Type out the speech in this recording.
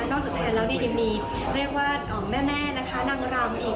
จากแนนแล้วเนี่ยยังมีเรียกว่าแม่นะคะนางรำอีก